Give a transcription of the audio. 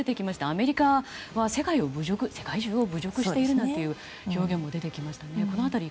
アメリカは世界中を侮辱しているんだという表現も出てきましたね。